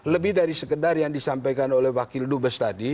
lebih dari sekedar yang disampaikan oleh wakil dubes tadi